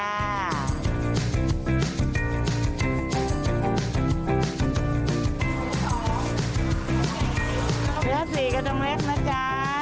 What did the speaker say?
เท้าสี่กันตรงเล็กนะจ๊ะ